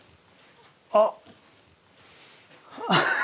あっ。